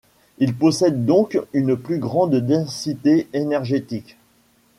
Il possède donc une plus grande densité énergétique.